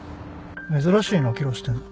珍しいな切らしてんの